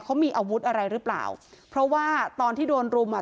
เขามีอาวุธอะไรหรือเปล่าเพราะว่าตอนที่โดนรุมอ่ะ